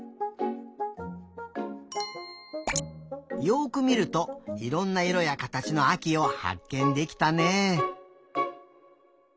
よくみるといろんないろやかたちのあきをはっけんできたね。